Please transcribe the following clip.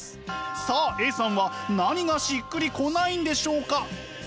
さあＡさんは何がしっくりこないんでしょうか？